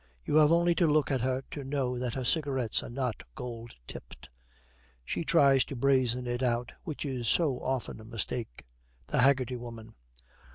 You have only to look at her to know that her cigarettes are not gold tipped. She tries to brazen it out, which is so often a mistake. THE HAGGERTY WOMAN.